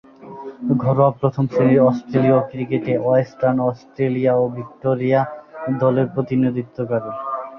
ঘরোয়া প্রথম-শ্রেণীর অস্ট্রেলীয় ক্রিকেটে ওয়েস্টার্ন অস্ট্রেলিয়া ও ভিক্টোরিয়া দলের প্রতিনিধিত্ব করেন।